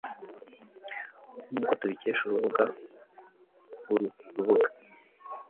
Nk'uko tubikesha urubuga uru rubuga